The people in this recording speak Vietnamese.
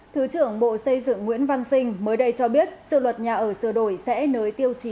thứ trưởng bộ xây dựng nguyễn văn sinh mới đây cho biết sự luật nhà ở sửa đổi sẽ nới tiêu chí